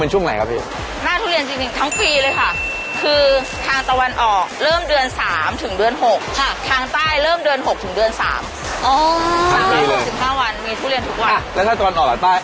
ใช่ค่ะบางวันก็เกินพี่จ๊ะ